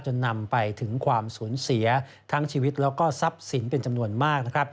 นำไปถึงความสูญเสียทั้งชีวิตแล้วก็ทรัพย์สินเป็นจำนวนมาก